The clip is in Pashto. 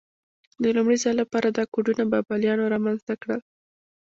د لومړي ځل لپاره دا کوډونه بابلیانو رامنځته کړل.